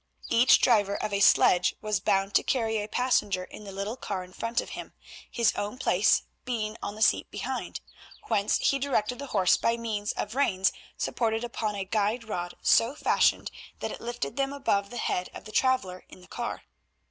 Each driver of a sledge was bound to carry a passenger in the little car in front of him, his own place being on the seat behind, whence he directed the horse by means of reins supported upon a guide rod so fashioned that it lifted them above the head of the traveller in the car.